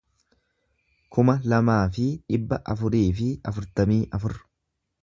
kuma lamaa fi dhibba afurii fi afurtamii afur